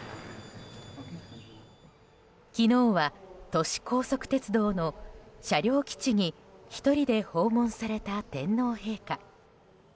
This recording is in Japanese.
昨日は都市高速鉄道の車両基地に１人で訪問された天皇陛下。